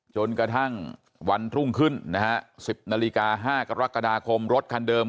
จนกระทั่งวันรุ่งขึ้นนะฮะ๑๐นาฬิกา๕กรกฎาคมรถคันเดิม